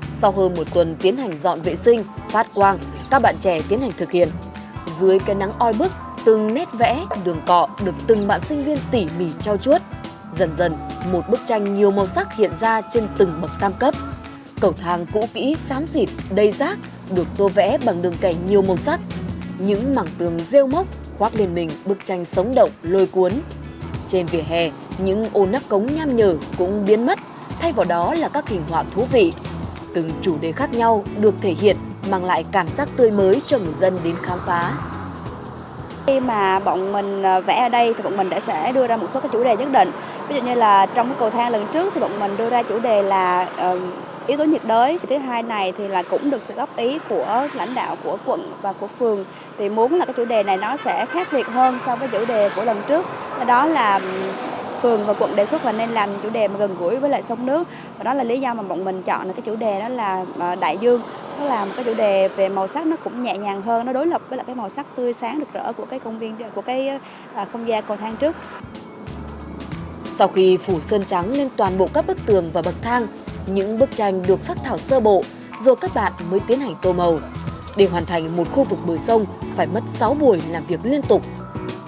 hơn bốn là số trường hợp vi phạm trật tự an toàn giao thông bị lực lượng cảnh sát giao thông bị lực lượng cảnh sát giao thông bị lực lượng cảnh sát giao thông bị lực lượng cảnh sát giao thông bị lực lượng cảnh sát giao thông bị lực lượng cảnh sát giao thông bị lực lượng cảnh sát giao thông bị lực lượng cảnh sát giao thông bị lực lượng cảnh sát giao thông bị lực lượng cảnh sát giao thông bị lực lượng cảnh sát giao thông bị lực lượng cảnh sát giao thông bị lực lượng cảnh sát giao thông bị lực lượng cảnh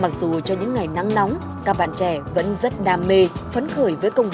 sát giao